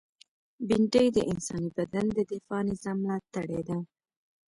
بېنډۍ د انساني بدن د دفاعي نظام ملاتړې ده